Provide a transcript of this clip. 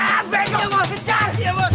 abeknya mas kejar